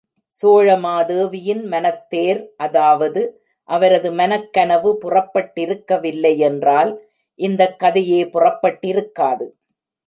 சோழமாதேவியின் மனத்தேர் அதாவது, அவரது மனக்கனவு புறப்பட்டிருக்கவில்லை யென்றால், இந்தக் கதையே புறப்பட்டிருக்காது.